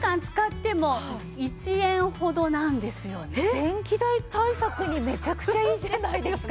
電気代対策にめちゃくちゃいいじゃないですか！